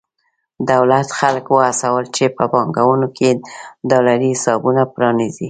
دولت خلک وهڅول چې په بانکونو کې ډالري حسابونه پرانېزي.